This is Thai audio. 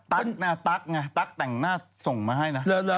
ตั๊กไงตั๊กแต่งหน้าส่งมาให้นะ